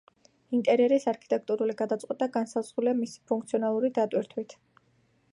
ინტერიერის არქიტექტურული გადაწყვეტა განსაზღვრულია მისი ფუნქციონალური დატვირთვით.